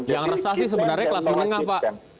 yang resah sih sebenarnya kelas menengah pak